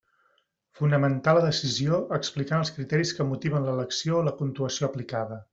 Fonamentar la decisió, explicant els criteris que motiven l'elecció o la puntuació aplicada.